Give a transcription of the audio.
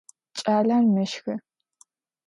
Ç'aler meşxı.